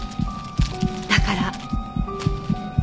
だから。